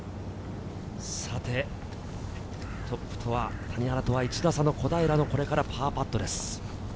さて、トップとは、谷原とは１打差の小平のパーパットです。